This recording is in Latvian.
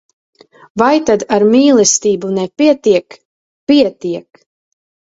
Vai tad ar mīlestību nepietiek? Pietiek!